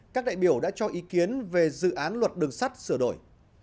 các đại biểu đã cho ý kiến về dự án luật đường sắt sửa đổi